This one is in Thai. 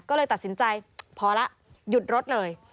ก็เลยตัดสินใจพอแล้วหยุดรถเลย